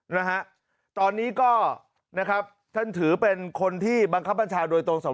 นะฮะตอนนี้ก็นะครับท่านถือเป็นคนที่บังคับบัญชาโดยตรงสำหรับ